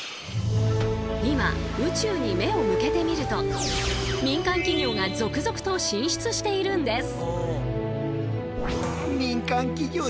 今宇宙に目を向けてみると民間企業が続々と進出しているんです！